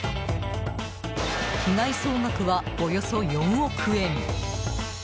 被害総額はおよそ４億円。